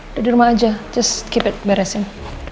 udah dirumah aja just keep it beresin